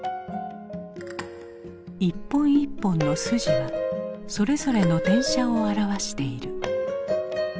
一本一本のスジはそれぞれの電車を表している。